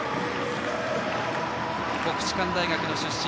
国士舘大学の出身